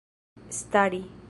stari